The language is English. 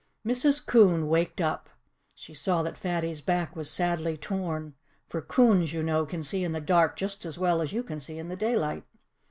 Mrs. Coon waked up. She saw that Fatty's back was sadly torn (for coons, you know, can see in the dark just as well as you can see in the daylight).